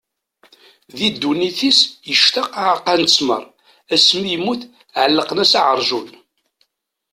Di ddunit-is ictaq aɛeqqa n ttmer; asmi i yemmut ɛellqen-as aɛerjun.